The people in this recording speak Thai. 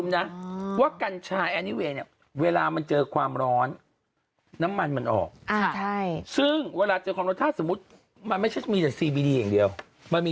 นอกจากขายเยอะมันสั่งซื้อออนไลน์ได้